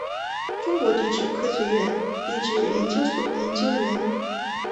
中国地质科学院地质研究所研究员。